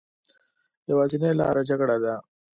يوازينۍ لاره جګړه ده